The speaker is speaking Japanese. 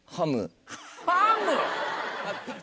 ハム！